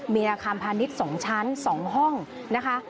มีอาคารพาณิชย์๒ชั้น๒ห้องนะคะ